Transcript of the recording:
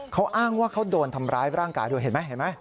เขาอ้างว่าเขาโดนทำร้ายร่างกายด้วยเห็นไหมเห็นไหม